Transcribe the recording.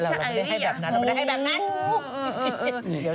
เราก็ไม่ได้ให้แบบนั้นเออเออเออ